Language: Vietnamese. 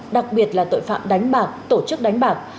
đặc biệt là tội phạm đánh bạc tổ chức đánh bạc